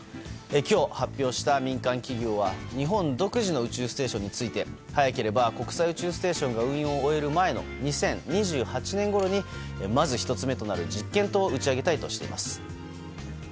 今日、発表した民間企業は日本独自の宇宙ステーションについて早ければ国際宇宙ステーションが運用を終える前の２０２８年ごろにまず１つ目となる実験棟を打ち上げたいとしています。